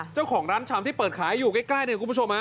เจ้าของร้านชำที่เปิดขายอยู่ใกล้เนี่ยคุณผู้ชมฮะ